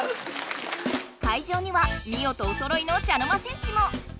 会場にはミオとおそろいの茶の間戦士も！